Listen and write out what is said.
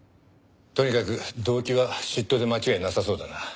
とにかく動機は嫉妬で間違いなさそうだな。